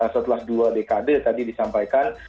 setelah dua dekade tadi disampaikan